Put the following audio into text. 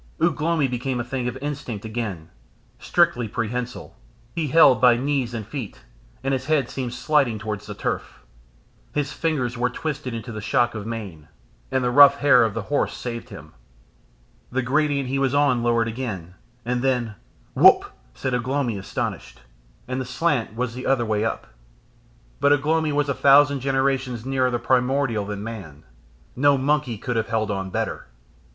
Ugh lomi became a thing of instinct again strictly prehensile; he held by knees and feet, and his head seemed sliding towards the turf. His fingers were twisted into the shock of mane, and the rough hair of the horse saved him. The gradient he was on lowered again, and then "Whup!" said Ugh lomi astonished, and the slant was the other way up. But Ugh lomi was a thousand generations nearer the primordial than man: no monkey could have held on better.